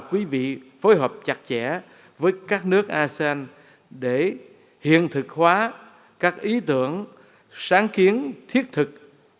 quý vị phối hợp chặt chẽ với các nước asean để hiện thực hóa các ý tưởng sáng kiến thiết thực